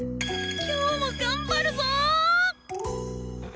今日も頑張るぞ！